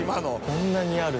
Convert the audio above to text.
こんなにある。